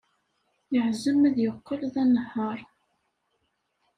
Yeɛzem ad yeqqel d anehhaṛ.